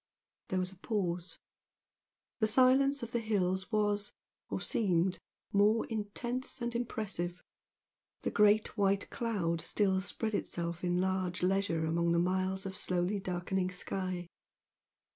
There was a pause. The silence of the hills was, or seemed more intense and impressive the great white cloud still spread itself in large leisure along the miles of slowly darkening sky.